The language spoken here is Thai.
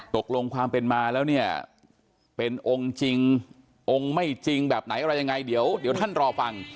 ตกลงความเป็นมาแล้วเนี่ยเป็นองค์จริงองค์ไม่จริงแบบไหนอะไรยังไงเดี๋ยวท่านรอฟัง